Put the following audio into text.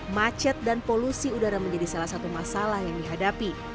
macet dan polusi udara menjadi salah satu masalah yang dihadapi